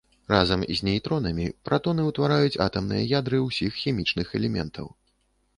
Разам з нейтронамі пратоны ўтвараюць атамныя ядры ўсіх хімічных элементаў.